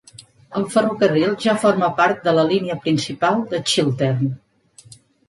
El ferrocarril ja forma part de la línia principal de Chiltern.